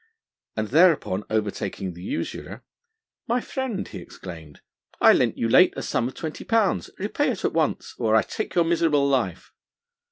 And thereupon overtaking the usurer, 'My friend!' he exclaimed, 'I lent you late a sum of twenty pounds. Repay it at once, or I take your miserable life.'